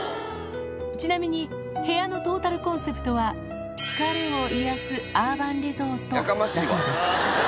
ちなみに、部屋のトータルコンセプトは、疲れを癒やすアーバンリゾート、だそうです。